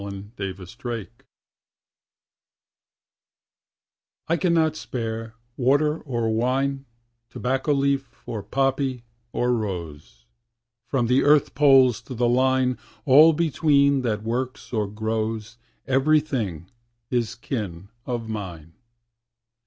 MITHRIDATES I cannot spare water or wine, Tobacco leaf, or poppy, or rose; From the earth poles to the Line, All between that works or grows, Every thing is kin of mine.